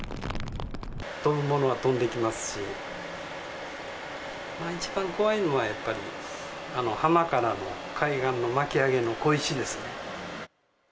飛ぶものは飛んできますし、一番怖いのはやっぱり、浜からの海岸のまきあげの小石ですね。